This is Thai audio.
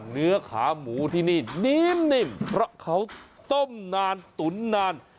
เนื้อขาหมูที่นี่นิ่มเพราะเขาต้มนานตุ๋นนาน